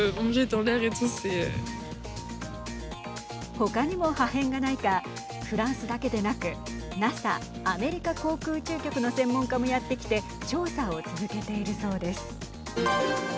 他にも破片がないかフランスだけでなくＮＡＳＡ＝アメリカ航空宇宙局の専門家もやって来て調査を続けているそうです。